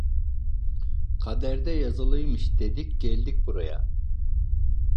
Kaderde yazılıymış dedik, geldik buraya…